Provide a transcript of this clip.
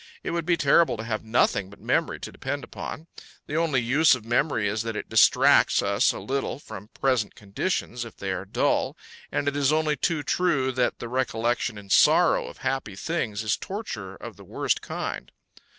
It would be terrible to have nothing but memory to depend upon. The only use of memory is that it distracts us a little from present conditions if they are dull, and it is only too true that the recollection in sorrow of happy things is torture of the worst kind.